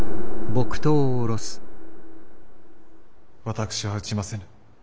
私は打ちませぬ。